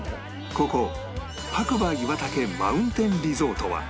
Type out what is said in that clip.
ここ白馬岩岳マウンテンリゾートは